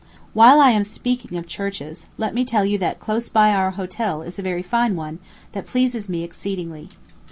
While I am speaking of churches, let me tell you that, close by our hotel, is a very fine one, that pleases me exceedingly.